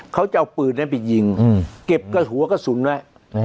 เขาจะเอาปืนไปยิงเก็บหัวกระสุนไว้